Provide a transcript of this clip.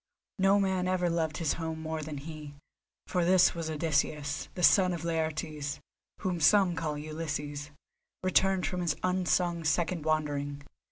No man ever loved his home more than he, for this was Odysseus, the son of Laertes—whom some call Ulysses—returned from his unsung second wandering.